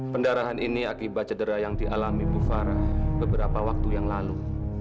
pendarahan ini akibat cedera yang dialami bufar beberapa waktu yang lalu